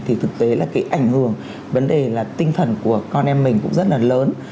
thì thực tế là cái ảnh hưởng vấn đề là tinh thần của con em mình cũng rất là lớn